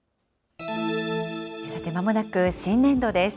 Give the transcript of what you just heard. さて、まもなく新年度です。